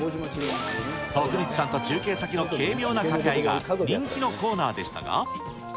徳光さんと中継先の軽妙な掛け合いが、人気のコーナーでしたが。